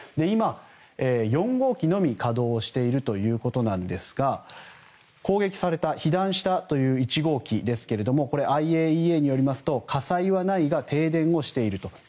今、４号機のみ稼働しているということですが攻撃された被弾したという１号機ですがＩＡＥＡによりますと火災はないが停電はしていると。